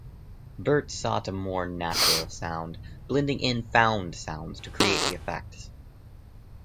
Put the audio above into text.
Burtt sought a more natural sound, blending in "found sounds" to create the effects.